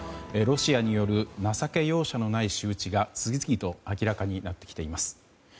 ロシアによる情け容赦のない仕打ちが次々と明らかになってきています。